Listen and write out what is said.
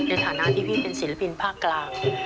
ในฐานะที่พี่เป็นศิลปินภาคกลาง